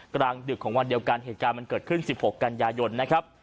กลางดึกของวันเดียวกันเหตุการณ์มันเกิดขึ้น๑๖กันยายนนะครับ